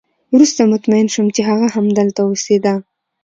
وروسته مطمئن شوم چې هغه همدلته اوسېده